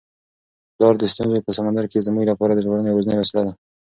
پلار د ستونزو په سمندر کي زموږ لپاره د ژغورنې یوازینۍ وسیله ده.